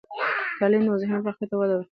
تعلیم و ذهني پراختیا ته وده ورکوي.